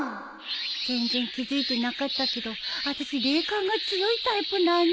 全然気付いてなかったけどあたし霊感が強いタイプなんだ。